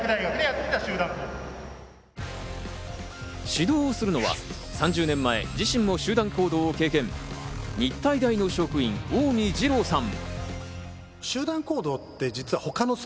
指導をするのは３０年前、自身も集団行動を経験、日体大の職員・大海二朗さん。